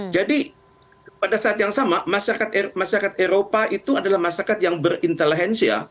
jadi pada saat yang sama masyarakat eropa itu adalah masyarakat yang berintelihensia